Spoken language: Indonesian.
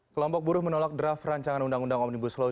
kelompok buruh menolak draft rancangan undang undang omnibus law